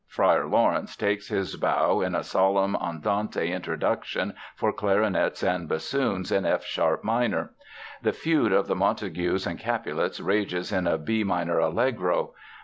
Friar Laurence takes his bow in a solemn andante introduction for clarinets and bassoons in F sharp minor. The feud of the Montagues and Capulets rages in a B minor allegro.